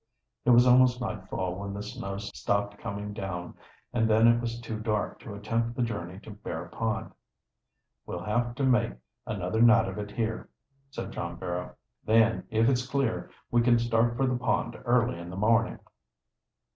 It was almost nightfall when the snow stopped coming down, and then it was too dark to attempt the journey to Bear Pond. "We'll have to make another night of it here," said John Barrow. "Then, if it's clear, we can start for the pond early in the morning."